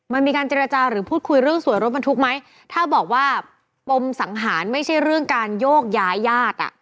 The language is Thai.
มันมีการเจรจาหรือพูดคุยเรื่องสวยรถบรรทุกไหมถ้าบอกว่าปมสังหารไม่ใช่เรื่องการโยกย้ายญาติอ่ะ